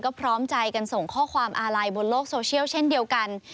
ก็พร้อมใจกันส่งข้อความอาลัยบนโลกโซเชียลเช่นเดียวกัน